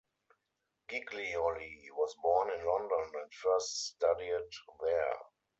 Giglioli was born in London and first studied there.